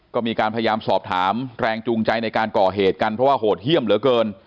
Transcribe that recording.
ก็มีการพยายามสอบถามแรงจูงใจในการก่อเหตุกันเพราะว่าโหดเยี่ยมเหลือเกิน